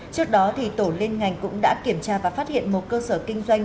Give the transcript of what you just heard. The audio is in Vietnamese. trước đó tổ liên ngành cũng đã kiểm tra và phát hiện một cơ sở kinh doanh